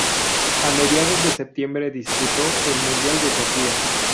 A mediados de septiembre disputó el Mundial de Sofía.